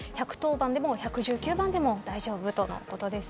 １１０番でも１１９番でも大丈夫とのことです。